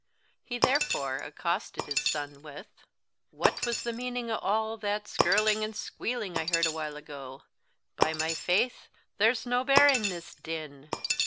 He therefore accosted his son with: "What was the meaning o' aw that skirling and squeeling I heard a while ago? By my faith, there's nae bearing this din!